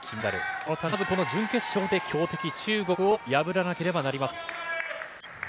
そのために、まずは、この準決勝で強敵中国を破らなければなりません。